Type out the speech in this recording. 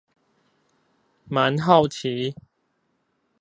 蠻好奇